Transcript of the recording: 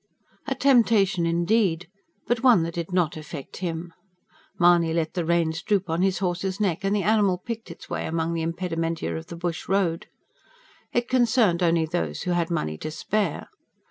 A temptation, indeed! ... but one that did not affect him. Mahony let the reins droop on his horse's neck, and the animal picked its way among the impedimenta of the bush road. It concerned only those who had money to spare.